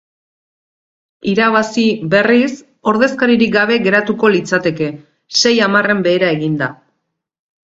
Irabazi, berriz, ordezkaririk gabe geratuko litzateke, sei hamarren behera eginda.